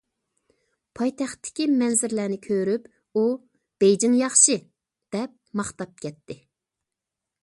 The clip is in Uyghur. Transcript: پايتەختتىكى مەنزىرىلەرنى كۆرۈپ ئۇ« بېيجىڭ ياخشى» دەپ ماختاپ كەتتى.